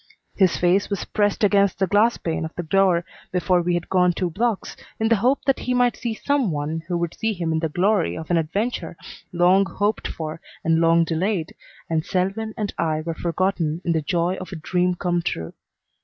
His face was pressed against the glass pane of the door before we had gone two blocks, in the hope that he might see some one who would see him in the glory of an adventure long hoped for and long delayed and Selwyn and I were forgotten in the joy of a dream come true.